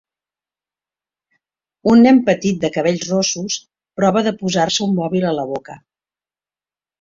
Un nen petit de cabells rossos prova de posar-se un mòbil a la boca.